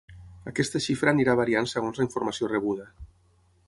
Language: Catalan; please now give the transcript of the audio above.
Aquesta xifra anirà variant segons la informació rebuda.